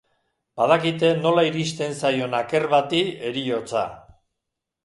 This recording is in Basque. Badakite nola iristen zaion aker bati heriotza.